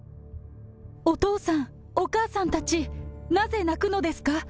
お父さん、お母さんたち、なぜ泣くのですか。